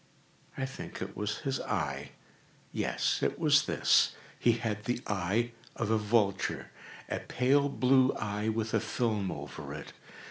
I think it was his eye! yes, it was this! He had the eye of a vulture—a pale blue eye, with a film over it.